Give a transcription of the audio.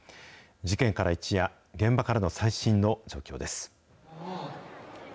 事件から一夜、現場からの最新の状況です。